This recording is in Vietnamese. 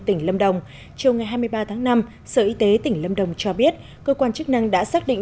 tỉnh lâm đồng chiều ngày hai mươi ba tháng năm sở y tế tỉnh lâm đồng cho biết cơ quan chức năng đã xác định